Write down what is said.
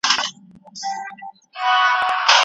ظلم د ټولني ريښې وچوي.